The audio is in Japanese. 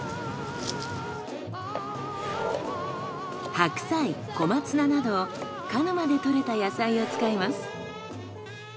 白菜小松菜など鹿沼で採れた野菜を使います。